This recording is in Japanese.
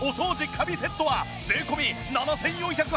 「神」セットは税込７４８０円。